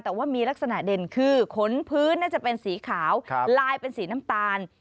แต่ว่ามีลักษณะเด่นคือขนพื้นน่าจะเป็นสีขาวลายเป็นสีน้ำตาล